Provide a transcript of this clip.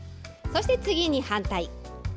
そして次に反対。